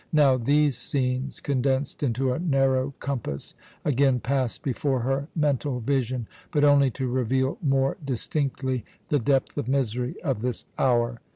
Now these scenes, condensed into a narrow compass, again passed before her mental vision, but only to reveal more distinctly the depth of misery of this hour.